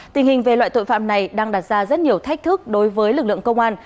tình hình về loại tội phạm này đang đặt ra rất nhiều thách thức đối với lực lượng công an